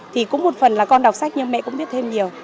thì cũng một phần là con đọc sách nhưng mẹ cũng biết thêm nhiều